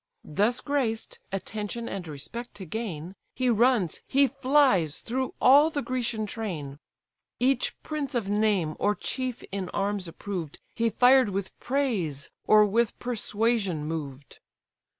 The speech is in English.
Thus graced, attention and respect to gain, He runs, he flies through all the Grecian train; Each prince of name, or chief in arms approved, He fired with praise, or with persuasion moved.